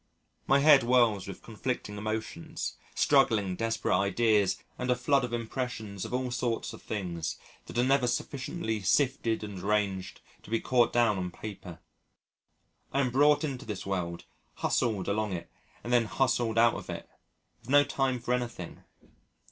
My head whirls with conflicting emotions, struggling, desperate ideas, and a flood of impressions of all sorts of things that are never sufficiently sifted and arranged to be caught down on paper. I am brought into this world, hustled along it and then hustled out of it, with no time for anything.